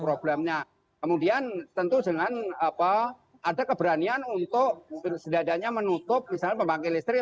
problemnya kemudian tentu dengan apa ada keberanian untuk sedadanya menutup misalnya pembangkit listrik